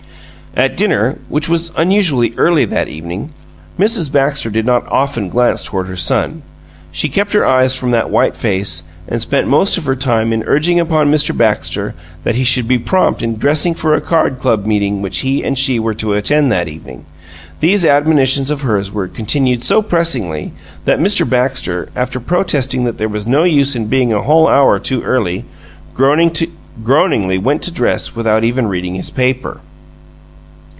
... At dinner, which was unusually early that evening, Mrs. Baxter did not often glance toward her son; she kept her eyes from that white face and spent most of her time in urging upon Mr. Baxter that he should be prompt in dressing for a card club meeting which he and she were to attend that evening. These admonitions of hers were continued so pressingly that Mr. Baxter, after protesting that there was no use in being a whole hour too early, groaningly went to dress without even reading his paper.